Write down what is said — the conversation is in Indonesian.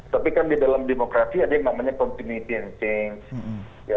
tapi kan di dalam demokrasi ada yang namanya continuity and change